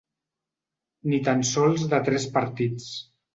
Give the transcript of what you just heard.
Ni tant sols de tres partits.